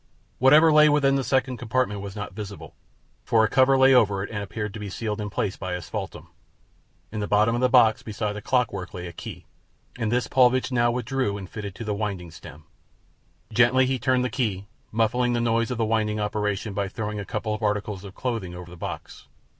Whatever lay within the second compartment was not visible, for a cover lay over it and appeared to be sealed in place by asphaltum. In the bottom of the box, beside the clockwork, lay a key, and this Paulvitch now withdrew and fitted to the winding stem. Gently he turned the key, muffling the noise of the winding operation by throwing a couple of articles of clothing over the box.